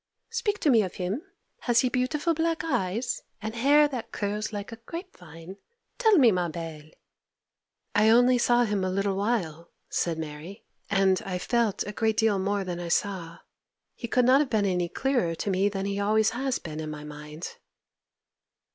Speak to me of him. Has he beautiful black eyes, and hair that curls like a grape vine? Tell me, ma belle.' 'I only saw him a little while,' said Mary; 'and I felt a great deal more than I saw. He could not have been any clearer to me than he always has been in my mind.